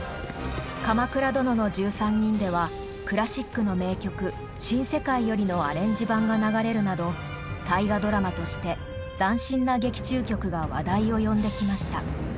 「鎌倉殿の１３人」ではクラシックの名曲「新世界より」のアレンジ版が流れるなど「大河ドラマ」として斬新な劇中曲が話題を呼んできました。